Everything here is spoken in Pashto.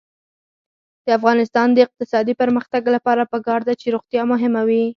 د افغانستان د اقتصادي پرمختګ لپاره پکار ده چې روغتیا مهمه وي.